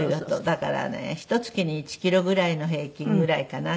だからねひと月に１キロぐらいの平均ぐらいかな。